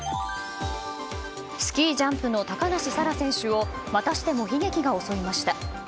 スキージャンプの高梨沙羅選手をまたしても悲劇が襲いました。